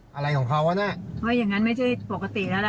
เอ้าอะไรของเขาต่างะหว่ายังงั้นไม่ใช่ปกติแล้วล่ะ